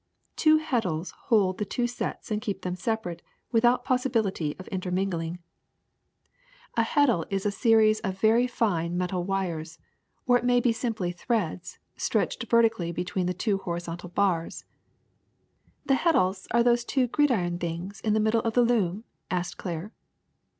Two heddles hold the two sets and keep them separate without possibility of intermingling. A 37 38 THE SECRET OF EVERYDAY THINGS heddle is a series of very line metal wires, or it may be simply threads, stretched vertically between two horizontal bars.'* ^^ The heddles are those two gridiron things in the middle of the loom?'^ asked Claire.